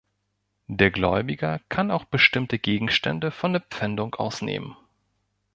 Der Gläubiger kann auch bestimmte Gegenstände von der Pfändung ausnehmen.